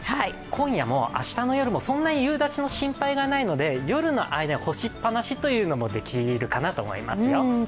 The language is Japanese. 今夜も明日の夜も、そんなに夕立の心配がないので、夜の間に干しっぱなしというのもできるかなと思いますよ。